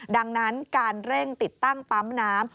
ดังนั้นการเร่งติดตั้งปั๊มน้ำ